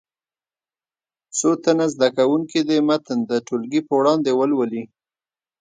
څو تنه زده کوونکي دې متن د ټولګي په وړاندې ولولي.